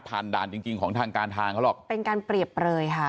ด่านจริงจริงของทางการทางเขาหรอกเป็นการเปรียบเปลยค่ะ